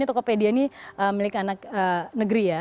tokopedia ini milik anak negeri ya